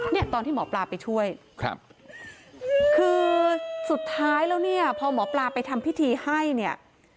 เนี่ยตอนที่หมอปลาไปช่วยครับคือสุดท้ายแล้วเนี่ยพอหมอปลาไปทำพิธีให้เนี่ย